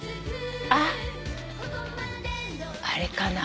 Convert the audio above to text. あっあれかな？